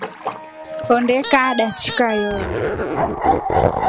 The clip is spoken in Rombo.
Ondee kaa dakikai.